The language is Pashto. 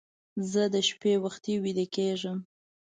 زه د شپې وختي ویده کېږم